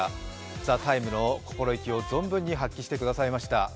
「ＴＨＥＴＩＭＥ，」の心意気を存分に発揮してくださいました。